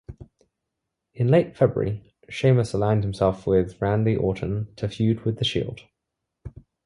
In late February, Sheamus aligned himself with Randy Orton to feud with The Shield.